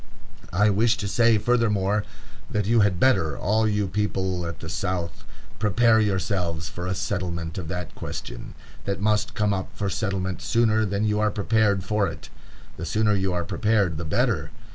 "I wish to say, furthermore, that you had better, all you people at the South, prepare yourselves for a settlement of that question, that must come up for settlement sooner than you are prepared for it. The sooner you are prepared the better.